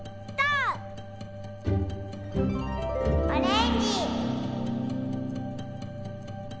オレンジ！